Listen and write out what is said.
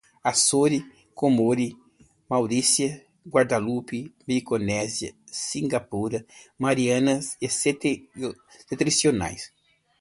Açores, Comores, Maurícias, Guadalupe, Micronésia, Singapura, Marianas Setentrionais